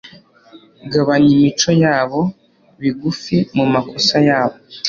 gabanya imico yabo, bigufi mumakosa yabo